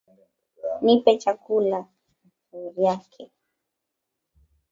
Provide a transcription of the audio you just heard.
Nipe chakula